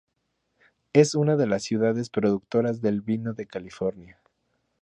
Es una de las ciudades productoras del vino de California.